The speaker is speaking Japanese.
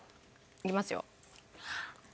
いきますよ。